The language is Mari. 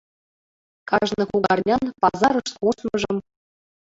Кажне кугарнян пазарыш коштмыжым